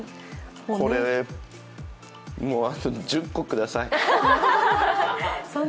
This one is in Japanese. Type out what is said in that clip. これ、あと１０個ください。